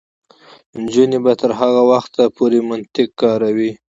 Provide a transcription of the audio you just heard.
نجونې به تر هغه وخته پورې منطق کاروي.